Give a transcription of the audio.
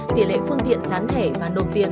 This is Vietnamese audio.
tỉ lệ phương tiện gián thể và nộp tiền